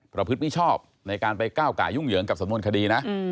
ประพฤติไม่ชอบในการไปก้าวก่ายุ่งเหยิงกับสมมุติคดีนะ